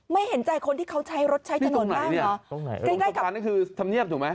ไม่เห็นใจคนที่เขาใช้รถใช้ถนนบ้างเนอะตรงไหนตรงที่ทำเงียบถูกไหม